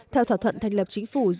theo thỏa thuận thành lập chính phủ